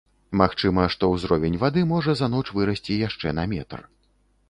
Магчыма, што ўзровень вады можа за ноч вырасці яшчэ на метр.